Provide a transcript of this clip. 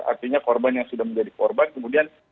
artinya korban yang sudah menjadi korban kemudian